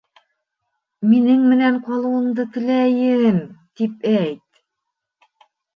Минең менән ҡалыуыңды теләйем, тип әйт!